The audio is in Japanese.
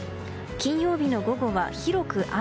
金曜日の午後は広く雨。